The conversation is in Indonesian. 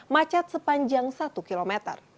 macet sepanjang satu km